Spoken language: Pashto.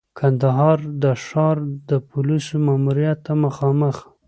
کندهار د ښار د پولیسو ماموریت ته مخامخ.